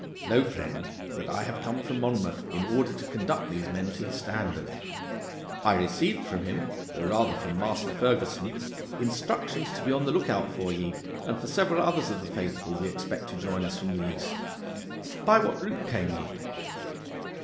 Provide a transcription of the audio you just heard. Know, friend, that I have come from Monmouth in order to conduct these men to his standard. I received from him, or rather from Master Ferguson, instructions to be on the lookout for ye and for several others of the faithful we expect to join us from the East. By what route came ye?